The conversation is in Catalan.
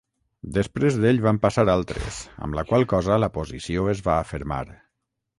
Després d'ell van passar altres, amb la qual cosa la posició es va afermar.